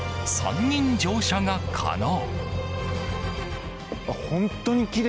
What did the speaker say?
３人乗車が可能。